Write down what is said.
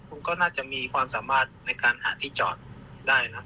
คุณก็น่าจะมีความสามารถในการหาที่จอดได้นะครับ